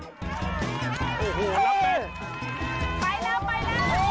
ไปแล้วไปแล้ว